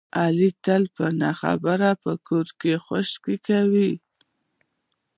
علي تل په نه خبره په کور کې خشکې کوي.